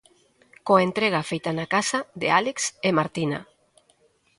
Coa entrega feita na casa de Álex e Martina...